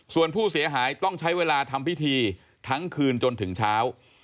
ส่วนผู้เสียหายต้องใช้เวลาทำพิธีทั้งคืนจนถึงเช้า